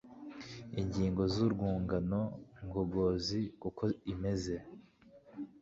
ingingo zurwungano ngogozi kuko imeze